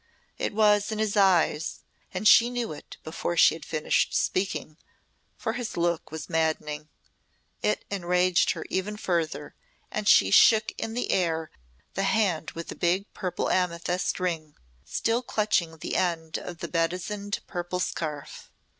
It was in his eyes and she knew it before she had finished speaking, for his look was maddening. It enraged her even further and she shook in the air the hand with the big purple amethyst ring, still clutching the end of the bedizened purple scarf.